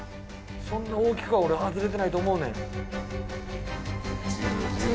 そんな大きくは俺外れてないと思うねん。